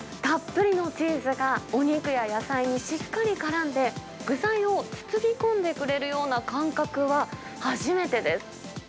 たっぷりのチーズが、お肉や野菜にしっかりからんで、具材を包み込んでくれるような感覚は、初めてです。